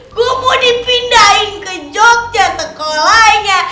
gue mau dipindahin ke jogja sekolahnya